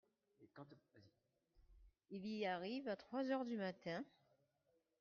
Il y arrive à trois heures du matin.